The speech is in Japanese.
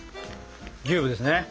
ギューぶですね？